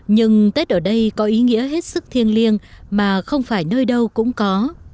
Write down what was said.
nhưng tết ở đây có ý nghĩa hết sức thiêng liêng mà không phải nơi đâu cũng có